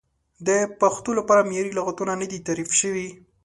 د پښتو لپاره معیاري لغتونه نه دي تعریف شوي.